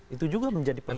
itu juga menjadi perolahan